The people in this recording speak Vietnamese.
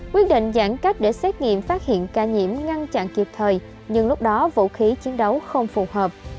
quyết định giãn cách để xét nghiệm phát hiện ca nhiễm ngăn chặn kịp thời nhưng lúc đó vũ khí chiến đấu không phù hợp